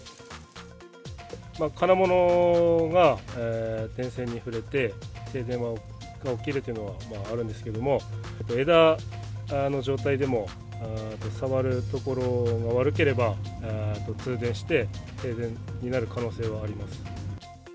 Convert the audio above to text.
金物が電線に触れて、停電が起きるというのはあるんですけれども、枝の状態でも、触る所が悪ければ、通電して、停電になる可能性はあります。